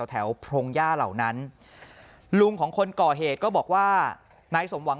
แถวพรงย่าเหล่านั้นลุงของคนก่อเหตุก็บอกว่านายสมหวัง